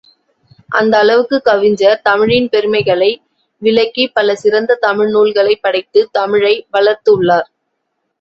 அந்த அளவுக்குக் கவிஞர், தமிழின் பெருமைகளை, விளக்கிப் பல சிறந்த தமிழ் நூல்களைப் படைத்துத் தமிழை வளர்த்து உள்ளார்.